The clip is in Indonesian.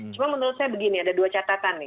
cuma menurut saya begini ada dua catatan nih